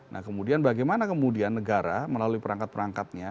nah kemudian bagaimana kemudian negara melalui perangkat perangkatnya